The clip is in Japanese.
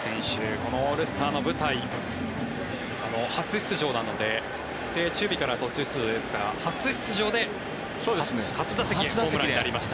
このオールスターの舞台初出場なので守備から途中出場ですから初出場で初打席でホームランになりました。